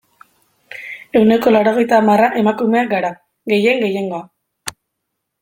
Ehuneko laurogeita hamar emakumeak gara, gehien gehiengoa.